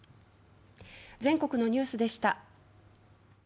全国のニュースでした。